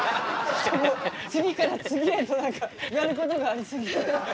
次から次へと何かやることがありすぎて。